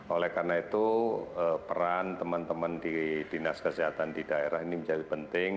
oleh karena itu peran teman teman di dinas kesehatan di daerah ini menjadi penting